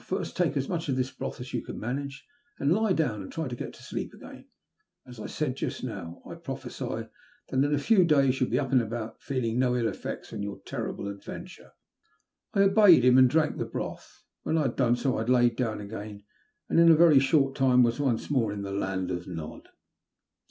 First, take as much of this broth as you can manage, and then lie down and try to get to sleep again. As I said just now, I prophesy that in a few days you'll be up and about, feeling no ill e£fects from your terrible adventure." I obeyed him, and drank the broth. When I had done so I laid down again, and in a veiy short time was once more in the Land of Nod.